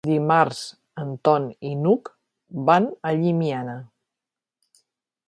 Dimarts en Ton i n'Hug van a Llimiana.